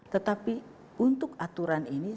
tetapi untuk aturan ini